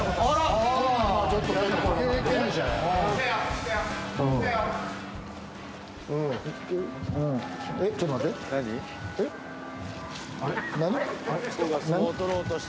え、ちょっと待って。